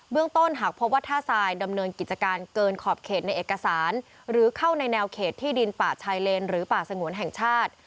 ต้นหากพบว่าท่าทรายดำเนินกิจการเกินขอบเขตในเอกสารหรือเข้าในแนวเขตที่ดินป่าชายเลนหรือป่าสงวนแห่งชาติ